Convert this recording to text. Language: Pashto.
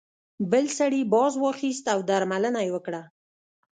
بل سړي باز واخیست او درملنه یې وکړه.